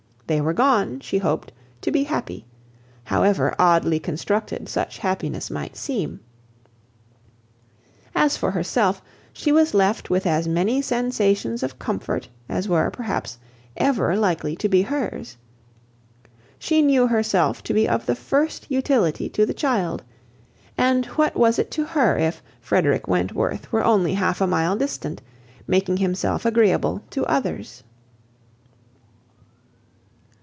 They were gone, she hoped, to be happy, however oddly constructed such happiness might seem; as for herself, she was left with as many sensations of comfort, as were, perhaps, ever likely to be hers. She knew herself to be of the first utility to the child; and what was it to her if Frederick Wentworth were only half a mile distant, making himself agreeable to others?